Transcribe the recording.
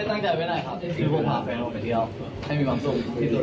ไม่ตั้งใจไปไหนครับคือผมพาแฟนลงไปเที่ยวให้มีความสุขที่สุด